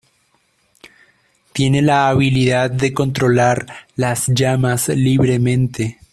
Tiene la habilidad de controlar las llamas libremente.